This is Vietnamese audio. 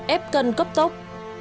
ép cân cấp tốc